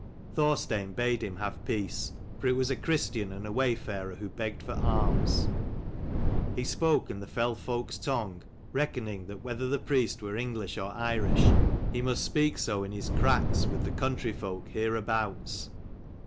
Thorstein bade him have peace, for it was a Christian and a wayfarer who begged for alms. He spoke in the fell folk's tongue, reckoning that whether the priest were English or Irish he must speak so in his cracks with the 282 country folk hereabouts.